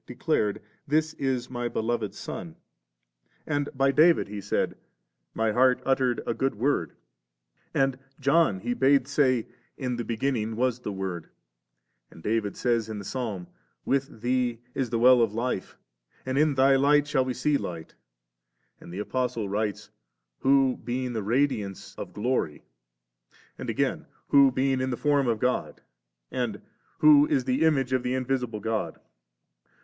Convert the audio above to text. Augu&t. comtr. Maxim, ui. 7. heart uttered a good Word;' and John He bade say, 'In the beginning was the Word;' and David says in the Psahn, *With Thee U the well of life, and in Thy light shall we see light;' and the Apostle writes, *Who being the Radiance of Glory,' and again, * Who being in the form of God,' and, 'Who is the Image of the invisible God'*.'